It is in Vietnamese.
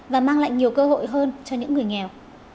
và mang lại nhiều cơ hội hơn cho những người nghèo